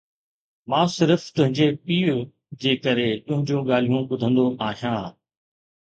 مان صرف تنهنجي پيءُ جي ڪري تنهنجون ڳالهيون ٻڌندو آهيان